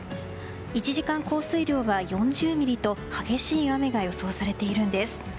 １時間降水量は４０ミリと激しい雨が予想されているんです。